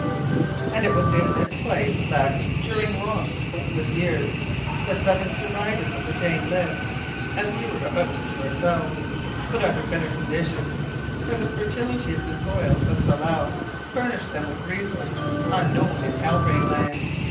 And it was in this place that, during long, hopeless years, the seven survivors of the Jane lived, as we were about to do ourselves, but under better conditions, for the fertility of the soil of Tsalal furnished them with resources unknown in Halbrane Land.